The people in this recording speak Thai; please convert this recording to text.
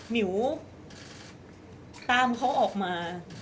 มิวตามเขาออกมา